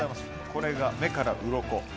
これが目からうろこ。